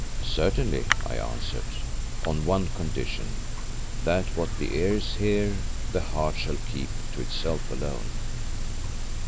"Certainly," I answered, "on one condition, that what the ears hear, the heart shall keep to itself alone."